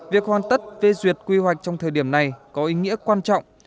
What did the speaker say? việc hoàn tất phê duyệt quy hoạch trong thời điểm này có ý nghĩa quan trọng